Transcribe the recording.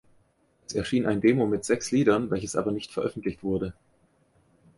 Es erschien ein Demo mit sechs Liedern welches aber nicht veröffentlicht wurde.